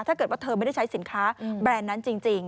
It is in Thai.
ถ้าเกิดว่าเธอไม่ได้ใช้สินค้าแบรนด์นั้นจริง